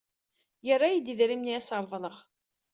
Yerra-yi-d idrimen i as-reḍleɣ.